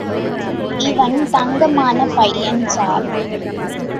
இவன் தங்கமான பையன் சார்.